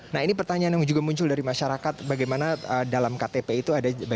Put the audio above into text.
nah ini pertanyaan yang juga muncul dari masyarakat bagaimana dalam ktp itu ada